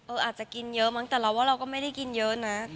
เอ่ออาจจะกินเยอะมั้งแต่เราก็ไม่ได้กินเยอะนะ